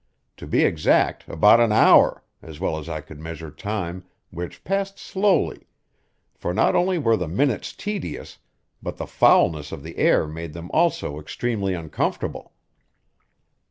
To be exact, about an hour, as well as I could measure time, which passed slowly; for not only were the minutes tedious, but the foulness of the air made them also extremely uncomfortable.